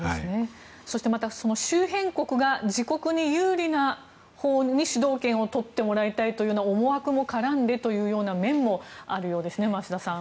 そして周辺国が自国に有利なほうに主導権を取ってもらいたいというような思惑も絡んでというような面もあるようです、増田さん。